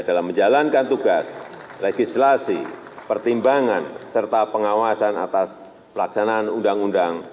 dalam menjalankan tugas legislasi pertimbangan serta pengawasan atas pelaksanaan undang undang